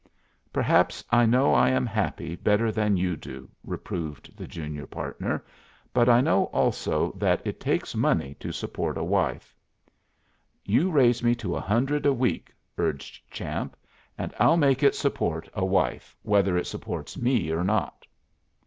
"Perhaps I know I am happy better than you do," reproved the junior partner; "but I know also that it takes money to support a wife." "You raise me to a hundred a week," urged Champ, "and I'll make it support a wife whether it supports me or not."